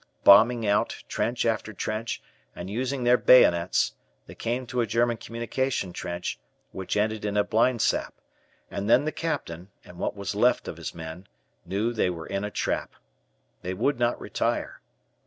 "Bombing out" trench after trench, and using their bayonets, they came to a German communication trench, which ended in a blindsap, and then the Captain, and what was left of his men, knew they were in a trap. They would not retire.